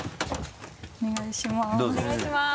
お願いします。